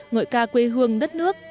ngội ca quê hương đất nước